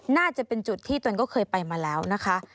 น่าจะเป็นจุดที่ตนก็เคยไปมาแล้วนะคะ